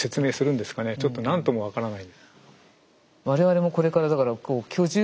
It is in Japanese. ちょっと何とも分からない。